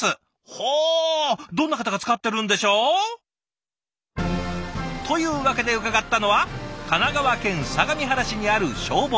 ほうどんな方が使ってるんでしょう？というわけで伺ったのは神奈川県相模原市にある消防署。